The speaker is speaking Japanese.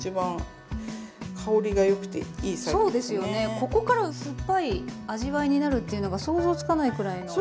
ここから酸っぱい味わいになるっていうのが想像つかないくらいの完熟梅って。